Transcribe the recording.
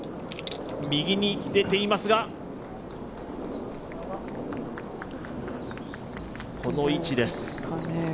右に出ていますが、この位置です。